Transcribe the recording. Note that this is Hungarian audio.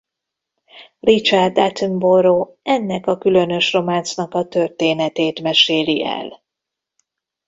Richard Attenborough ennek a különös románcnak a történetét meséli el.